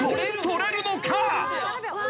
取れるのか？］